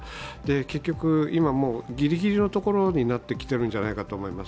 結局、今、もうギリギリのところになっているのではないかと思います。